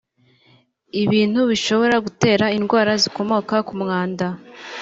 ibintu bishobora gutera indwara zikomoka ku mwanda